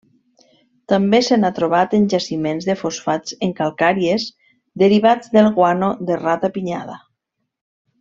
També se n'ha trobat en jaciments de fosfats en calcàries, derivats del guano de ratapinyada.